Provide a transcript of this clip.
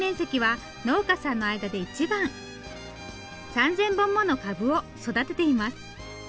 ３，０００本もの株を育てています。